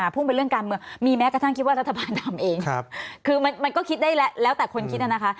พุ่งเป็นเรื่องการเมืองมีแม้กระทั่งคิดว่ารัฐบาลทำเองคือมันก็คิดได้แล้วแต่คนคิดน่ะนะคะ